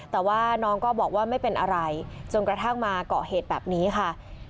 แต่ว่าน้องก็บอกว่าไม่เป็นอะไรจนกระทั่งมาเกาะเหตุแบบนี้ค่ะ